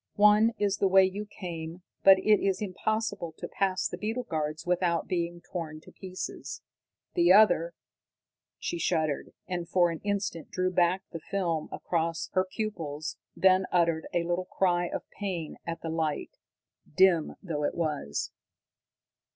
"One is the way you came, but it is impossible to pass the beetle guards without being torn to pieces. The other " She shuddered, and for an instant drew back the film from across her pupils, then uttered a little cry of pain at the light, dim though it was.